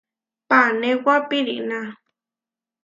Panéwa piʼrína.